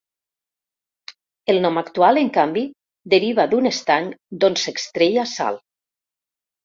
El nom actual, en canvi, deriva d'un estany d'on s'extreia sal.